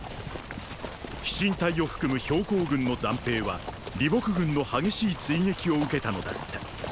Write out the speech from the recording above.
飛信隊を含む公軍の残兵は李牧軍の激しい追撃を受けたのだった。